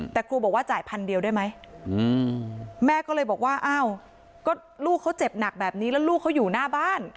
แต่ครูบอกว่าจ่ายพันเดียวได้ไหมแม่ก็เลยบอกว่าอ้าวก็ลูกเขาเจ็บหนักแบบนี้แล้วลูกเขาอยู่หน้าบ้าน